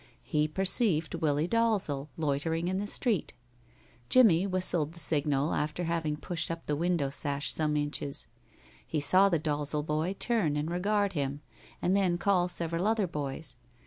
He perceived Willie Dalzel loitering in the street. Jimmie whistled the signal after having pushed up the window sash some inches. He saw the Dalzel boy turn and regard him, and then call several other boys.